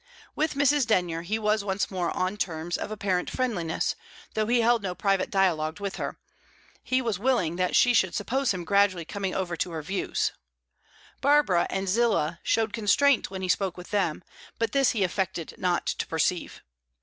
With Mrs. Denyer he was once more on terms of apparent friendliness, though he held no private dialogue with her; he was willing that she should suppose him gradually coming over to her views. Barbara and Zillah showed constraint when he spoke with them, but this he affected not to perceive.